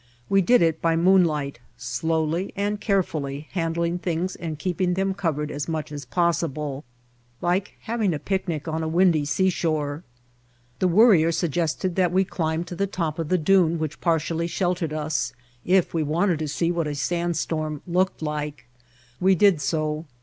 We did it by moonlight, slowly and carefully handling things and keeping them covered as much as possible, like having a picnic on a windy seashore. The Worrier suggested that we climb to the top of the dune which partially sheltered us, if we wanted to see what a sandstorm looked like. We did so.